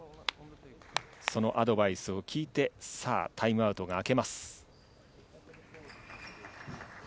そのアドバイスを聞いて、さあ、タイムアウトが明けます。